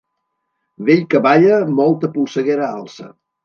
Vell que balla, molta polseguera alça.